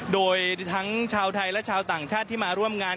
โดยทั้งชาวไทยและชาวต่างชาติที่มาร่วมงาน